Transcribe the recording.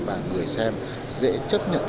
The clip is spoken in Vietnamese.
và người xem dễ chấp nhận hơn